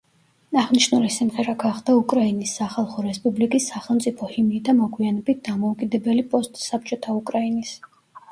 აღნიშნული სიმღერა გახდა უკრაინის სახალხო რესპუბლიკის სახელმწიფო ჰიმნი და მოგვიანებით დამოუკიდებელი პოსტსაბჭოთა უკრაინის.